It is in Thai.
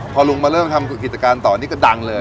พอลุงมาเริ่มทำกิจการต่อนี่ก็ดังเลย